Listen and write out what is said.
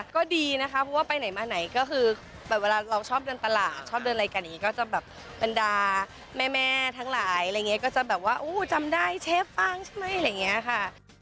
ก็ดีนะคะเพราะว่าไปไหนมาไหนก็คือแบบเวลาเราชอบเดินตลาดชอบเดินอะไรกันอย่างนี้ก็จะแบบบรรดาแม่ทั้งหลายอะไรอย่างนี้ก็จะแบบว่าอู้จำได้เชฟฟังใช่ไหมอะไรอย่างนี้ค่ะ